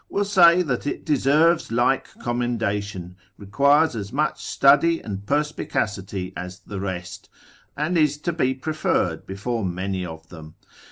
will say, that it deserves like commendation, requires as much study and perspicacity as the rest, and is to be preferred before many of them.